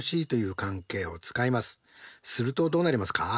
するとどうなりますか？